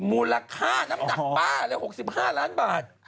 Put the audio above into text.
มูลค่าน้ำหนักป้าเลย๖๕ล้านบาท